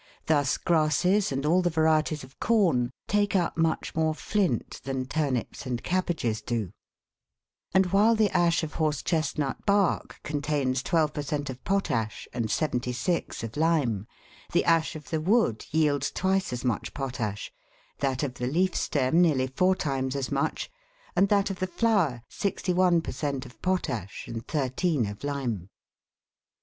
Thus grasses and all the varieties of corn take up much more flint than turnips and cabbages do ; and while the ash of MATTER TAKEN FROM THE SOIL. 97 horse chestnut bark contains 12 per cent, of potash and 76 of lime, the ash of the wood yields twice as much potash, that of the leaf stem nearly four times as much, and that of the flower 61 per cent, of potash and 13 of lime.